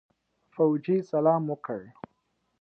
فوجي سلام وکړ.